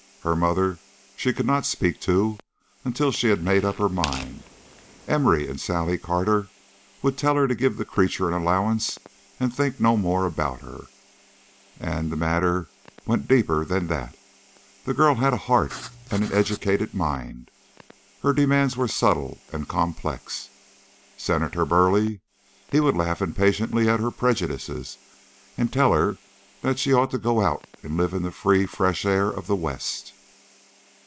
Her mother she could not speak to until she had made up her mind. Emory and Sally Carter would tell her to give the creature an allowance and think no more about her; and the matter went deeper than that. The girl had heart and an educated mind; her demands were subtle and complex. Senator Burleigh? He would laugh impatiently at her prejudices, and tell her that she ought to go out and live in the free fresh air of the West.